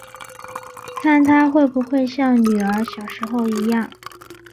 看她会不会像女儿小时候一样